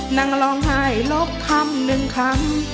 นั่งร้องไห้ลบคำหนึ่งคำ